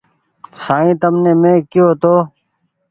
سائين تمني مينٚ ڪيو تو